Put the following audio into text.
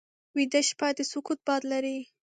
ویده شپه د سکوت باد لري